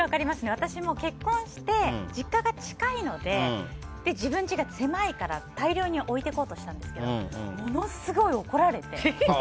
私も結婚して実家が近いので自分の家が狭いので大量に置いていこうとしたんですけどものすごい怒られて。